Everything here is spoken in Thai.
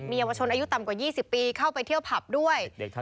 เยาวชนอายุต่ำกว่า๒๐ปีเข้าไปเที่ยวผับด้วย